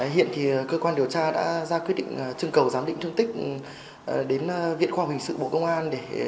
hiện thì cơ quan điều tra đã ra quyết định chương cầu giám định thương tích đến viện khoa bình sự bộ công an